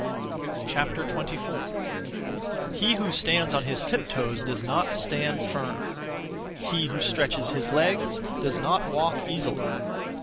24. He who stands on his tiptoes does not stand firm; he who stretches his legs does not walk (easily).